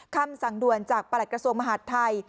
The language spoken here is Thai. คำสั่งด่วนจากประหลักกระทรวงมหาดไทย